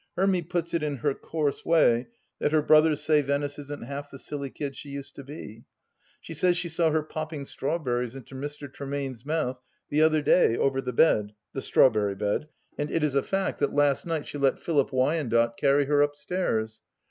Hermy puts it, in her coarse way, that her brothers say Venice isn't half the silly kid she used to be. She says she saw her popping strawberries into Mr. Tremaine's mouth tbfi other day over the be4 — ^the strawberry bed — and it i^ 72 TlUB liAST DITCH a fact that last night she let Philip Wyandotte carry her upstairs.